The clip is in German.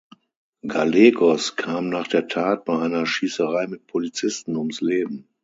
Gallegos kam nach der Tat bei einer Schießerei mit Polizisten ums Leben.